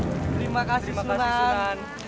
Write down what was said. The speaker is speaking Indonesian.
terima kasih sunan